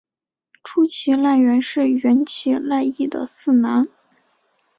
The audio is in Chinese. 土岐赖元是土岐赖艺的四男。